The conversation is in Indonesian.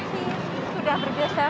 terus teraidang pada pembawa vietnam